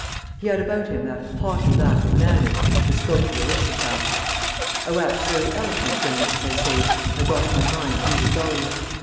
He had about him that haughty lack of manners which bespoke the aristocrat. I waxed very eloquent when, as I say, I got my mind really going.